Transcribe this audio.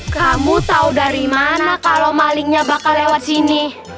kamu tau dari mana kalau maling nya bakal lewat sini